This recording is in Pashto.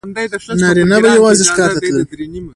نارینه به یوازې ښکار ته تلل.